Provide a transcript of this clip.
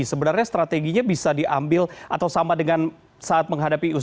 sebenarnya strateginya bisa diambil atau sama dengan saat menghadapi ustaz